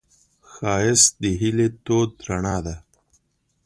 ښایست د هیلې تود رڼا ده